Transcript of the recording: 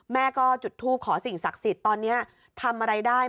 แม่ก็จุดทูปขอสิ่งศักดิ์สิทธิ์ตอนนี้ทำอะไรได้